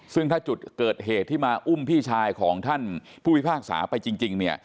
ซึ่งถ้าจุดเกิดเหตุที่มาอุ้มพี่ชายของท่านผู้พิพากษาไปจริงเนี่ย